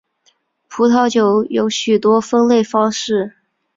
葡萄酒有许多分类方式。